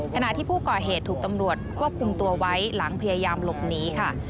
ขณะที่ผู้ก่อเหตุถูกตำรวจควบคุมตัวไว้หลังพยายามหลบหนีค่ะ